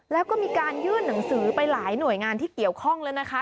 แล้วก็มีการยื่นหนังสือไปหลายหน่วยงานที่เกี่ยวข้องแล้วนะคะ